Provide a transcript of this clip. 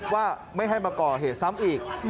ว่าไม่ให้มาก่อเหตุซ้ำอีก